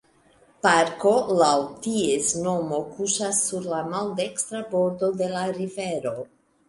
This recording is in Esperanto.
Parko laŭ ties nomo kuŝas sur la maldekstra bordo de la rivero.